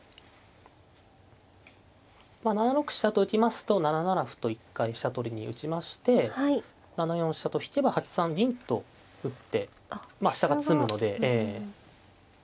まあ７六飛車と浮きますと７七歩と一回飛車取りに打ちまして７四飛車と引けば８三銀と打ってまあ飛車が詰むので。